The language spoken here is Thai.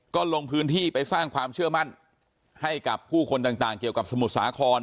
ก็ลงพื้นที่ไปสร้างความเชื่อมั่นให้กับผู้คนต่างเกี่ยวกับสมุทรสาคร